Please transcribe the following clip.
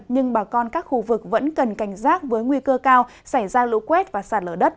nhưng bà con các khu vực vẫn cần cảnh giác với nguy cơ cao xảy ra lũ quét và sạt lở đất